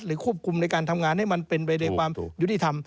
ควบคุมในการทำงานให้มันเป็นไปในความยุติธรรม